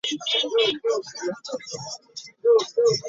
Abayizi basomera ku mutimbagano.